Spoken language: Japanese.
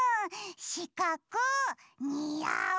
しかくにあう。